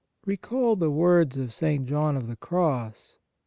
Recall the words of St. John of the Cross.